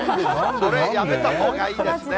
それ、やめたほうがいいですね。